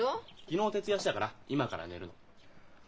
昨日徹夜したから今から寝るの。